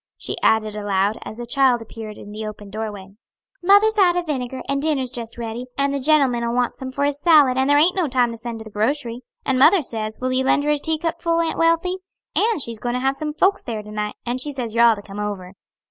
she added aloud, as the child appeared in the open doorway. "Mother's out o' vinegar, and dinner's just ready, and the gentleman'll want some for his salad, and there aint no time to send to the grocery. And mother says, will you lend her a teacupful, Aunt Wealthy? And she's goin' to have some folks there to night, and she says you're all to come over."